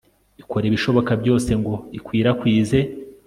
ikora ibishoboka byose ngo ikwirakwize